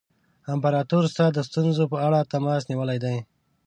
امپراطور ستا د ستونزو په اړه تماس نیولی دی.